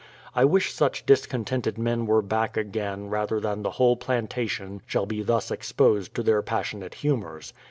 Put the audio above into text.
I wish such discontented men were back again, rather than the whole plantation shall be thus exposed to their passionate humours.